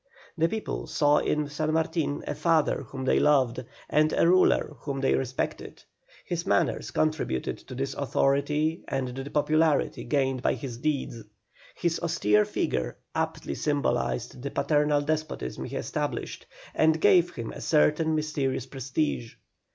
The people saw in San Martin a father whom they loved, and a ruler whom they respected. His manners contributed to his authority and to the popularity gained by his deeds. His austere figure aptly symbolised the paternal despotism he established, and gave him a certain mysterious prestige.